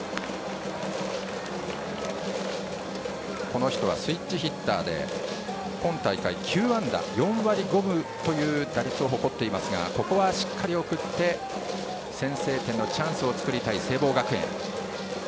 この人はスイッチヒッターで今大会９安打４割５分という打率を誇っていますがここはしっかり送って先制点のチャンスを作りたい聖望学園。